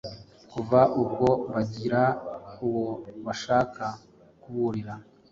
Kuva ubwo bagira uwo bashaka kuburira